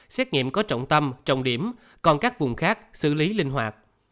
xét nghiệm có trọng tâm trọng điểm còn các vùng khác xử lý linh hoạt